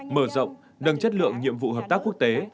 mở rộng nâng chất lượng nhiệm vụ hợp tác quốc tế